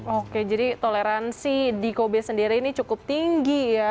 oke jadi toleransi di kobe sendiri ini cukup tinggi ya